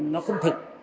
nó không thực